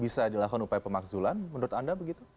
bisa dilakukan upaya pemakzulan menurut anda begitu